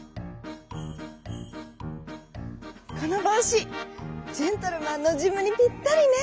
「このぼうしジェントルマンのジムにぴったりね」